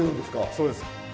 そうです。